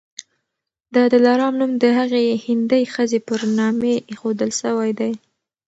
د دلارام نوم د هغي هندۍ ښځي پر نامي ایښودل سوی دی.